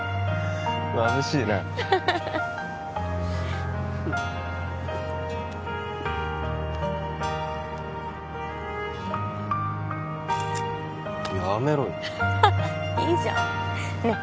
まぶしいなやめろよいいじゃんねえ